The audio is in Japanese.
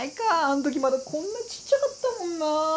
あん時まだこんなちっちゃかったもんな。